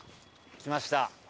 きました。